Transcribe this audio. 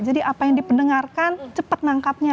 jadi apa yang dipendengarkan cepat nangkapnya